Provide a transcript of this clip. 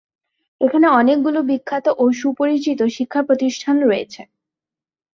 এখানে অনেকগুলো বিখ্যাত ও সুপরিচিত শিক্ষাপ্রতিষ্ঠান রয়েছে।